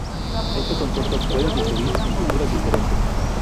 Este concepto puede diferir en culturas diferentes.